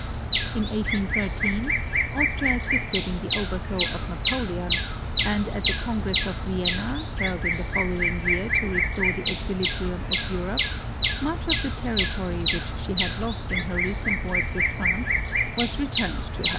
In 1813, Austria assisted in the overthrow of Napoleon, and at the Congress of Vienna, held in the following year to restore the equilibrium of Europe, much of the territory which she had lost in her recent wars with France was returned to her.